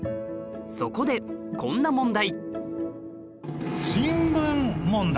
そこでこんな問題